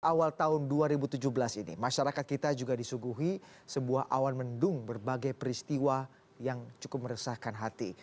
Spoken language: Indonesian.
awal tahun dua ribu tujuh belas ini masyarakat kita juga disuguhi sebuah awan mendung berbagai peristiwa yang cukup meresahkan hati